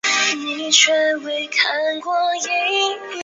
使幸存者之一的路霸发誓要帮公爵报仇。